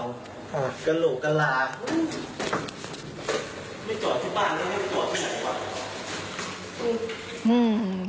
ไม่จอดที่บ้านไม่จอดที่ไหนกว่า